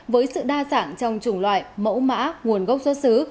với sự đa dạng trong chủng loại mẫu mã nguồn gốc xuất xứ